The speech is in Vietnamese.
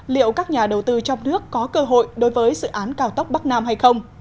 liệu các nhà đầu tư trong nước có cơ hội đối với dự án cao tốc bắc nam hay không